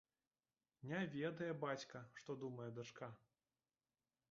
Не ведае бацька, што думае дачка.